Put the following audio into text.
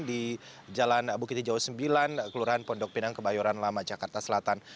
di jalan bukit hijau sembilan kelurahan pondok pinang kebayoran lama jakarta selatan